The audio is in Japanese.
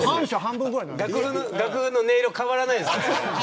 楽譜の音色変わらないですから。